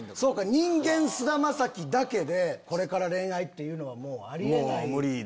人間・菅田将暉だけでこれから恋愛っていうのはあり得ない。